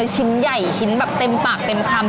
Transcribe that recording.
ชิ้นใหญ่ชิ้นแบบเต็มปากเต็มคำ